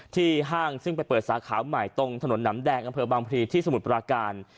ห้างซึ่งไปเปิดสาขาใหม่ตรงถนนหนำแดงอำเภอบางพลีที่สมุทรปราการ